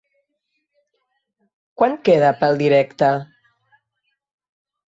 Quant queda, pel directe?